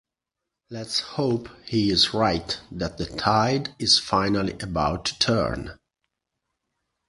Let’s hope he is right that the tide is finally about to turn.